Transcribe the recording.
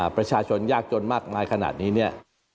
ประชาชนยากจนมากมายขนาดนี้เนี่ย